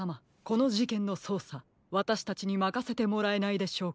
このじけんのそうさわたしたちにまかせてもらえないでしょうか？